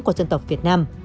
của dân tộc việt nam